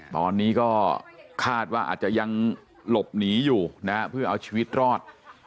ตอนนี้ก็คาดว่าอาจจะยังหลบหนีอยู่นะฮะเพื่อเอาชีวิตรอด